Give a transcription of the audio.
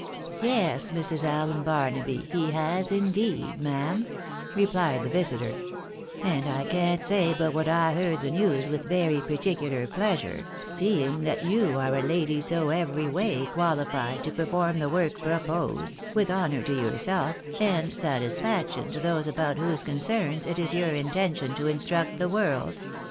" Yes, Mrs. Allen Barnaby, he has indeed, ma'am," rephed the visitor, " and I can't say but what I heard the news with very par ticular pleasure, seeing that you are a lady so every way quahfied to perform the work proposed, with honour to yourself, and satis faction to those about whose concerns it is your intention to in struct the world.